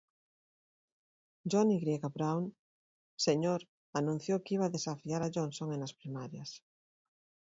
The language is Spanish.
John Y. Brown, Sr. anunció que iba a desafiar a Johnson en las primarias.